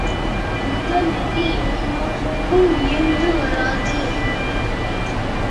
இந்த நெறி எல்லோருக்கும் இயன்று வராது.